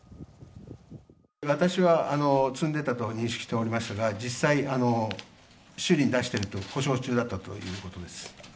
私は積んでたと認識しておりましたが、実際、修理に出していると、故障中だったということです。